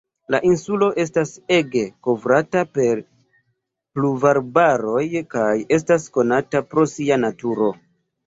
La insulo estas ege kovrata per pluvarbaroj kaj estas konata pro sia naturo.